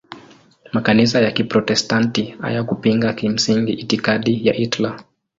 Makanisa ya Kiprotestanti hayakupinga kimsingi itikadi ya Hitler.